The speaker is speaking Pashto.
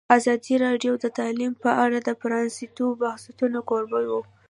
ازادي راډیو د تعلیم په اړه د پرانیستو بحثونو کوربه وه.